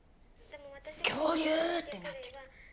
恐竜！ってなってる。